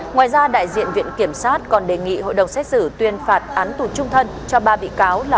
ngoài ra đại diện viện kiểm sát còn đề nghị hội đồng xét xử tuyên phạt án tù trung thân cho ba bị cáo là